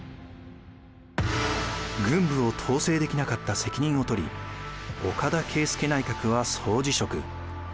軍部を統制できなかった責任を取り岡田啓介内閣は総辞職。